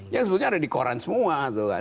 yang sebetulnya ada di koran semua